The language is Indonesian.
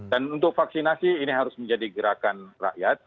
dan untuk vaksinasi ini harus menjadi gerakan rakyat